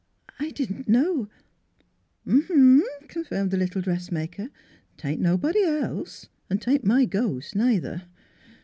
" I I didn't know u Uh huh," confirmed the little dress maker. " 'Taint nobody else; 'n' 'taint my ghost, neither."